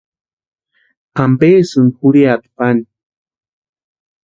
¿Ampesïni jurhiata pani?